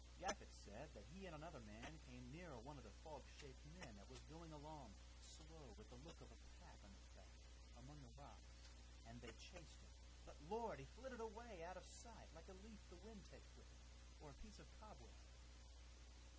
Gaffett said that he and another man came near one o' the fog shaped men that was going along slow with the look of a pack on his back, among the rocks, an' they chased him; but, Lord! he flittered away out o' sight like a leaf the wind takes with it, or a piece of cobweb.